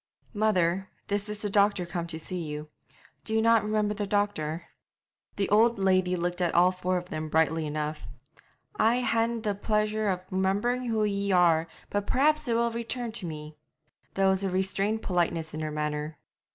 'Mother, this is the doctor come to see you. Do you not remember the doctor?' The old lady looked at all four of them brightly enough. 'I haena the pleasure of remembering who ye are, but perhaps it will return to me.' There was restrained politeness in her manner.